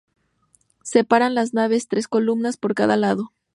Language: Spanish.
Separan las naves tres columnas por cada lado.